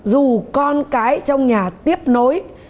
dù con cái trong nhà tiếp nối